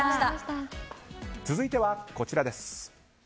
続いては、こちらです。